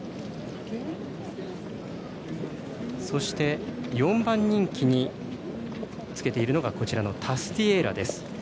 そして、４番人気につけているのがタスティエーラです。